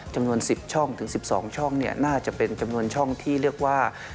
จำนวน๑๐ช่องถึง๑๒ช่องน่าจะเป็นจำนวนช่องที่เรียกว่า